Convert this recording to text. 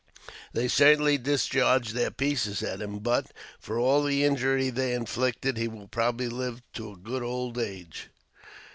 They certainly discharged their pieces at him, but, for all the injury they inflicted, he will probably live to a good old age.